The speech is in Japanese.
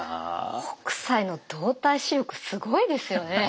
北斎の動体視力すごいですよね。